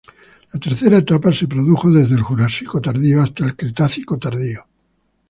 La tercera etapa se produjo desde el Jurásico Tardío hasta el Cretácico Tardío.